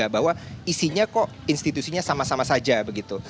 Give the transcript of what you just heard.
bahwa isinya kok institusinya sama sama saja begitu